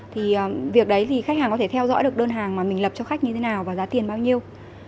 thì việc đấy thì khách hàng có thể theo dõi được đơn hàng mà mình lập cho khách như thế nào và giá tiền bao nhiêu